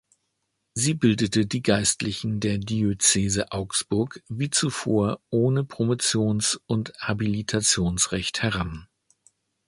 Sie bildete die Geistlichen der Diözese Augsburg wie zuvor ohne Promotions- und Habilitationsrecht heran.